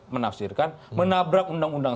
menafsirkan menabrak undang undang